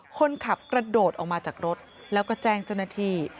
คนขับกระโดดออกมาจากรถแล้วก็แจ้งเจ้าหน้าที่